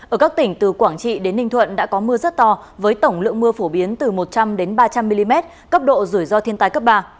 ở các tỉnh từ quảng trị đến ninh thuận đã có mưa rất to với tổng lượng mưa phổ biến từ một trăm linh ba trăm linh mm cấp độ rủi ro thiên tai cấp ba